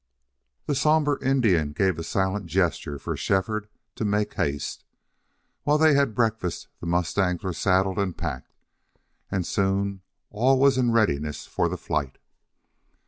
The somber Indian gave a silent gesture for Shefford to make haste. While they had breakfast the mustangs were saddled and packed. And soon all was in readiness for the flight.